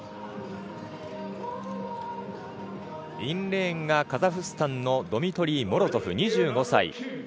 インレーンがカザフスタンのドミトリー・モロゾフ、２５歳。